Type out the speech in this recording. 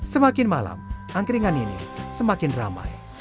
semakin malam angkringan ini semakin ramai